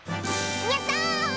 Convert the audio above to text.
やった！